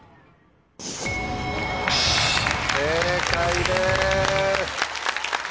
正解です。